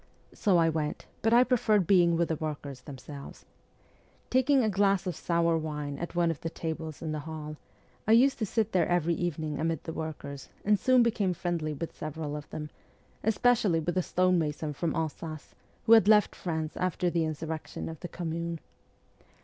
So I went, but I preferred being with the workers themselves. Taking a glass of sour wine at one of the tables in the hall, I used to sit there every evening amid the workers, and soon became friendly with several of them, especially with a stone FIRST JOURNEY ABROAD 61 mason from Alsace, who had left France after the insurrection of the Commune.